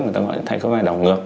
người ta gọi là thay cơ vai đảo ngược